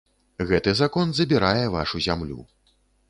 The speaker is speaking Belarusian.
Гэты закон забірае вашу зямлю.